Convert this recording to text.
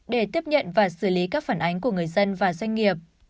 để tiếp nhận và xử lý các phản ánh của người dân và doanh nghiệp